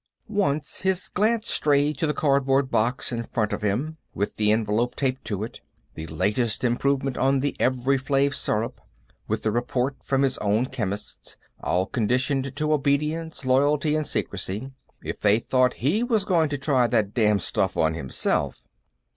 Once his glance strayed to the cardboard box in front of him, with the envelope taped to it the latest improvement on the Evri Flave syrup, with the report from his own chemists, all conditioned to obedience, loyalty and secrecy. If they thought he was going to try that damned stuff on himself....